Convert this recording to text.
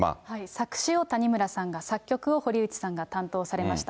作詞を谷村さんが、作曲を堀内さんが担当されました。